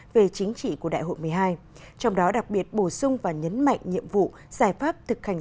về chính trị của đại hội một mươi hai trong đó đặc biệt bổ sung và nhấn mạnh nhiệm vụ giải pháp thực hành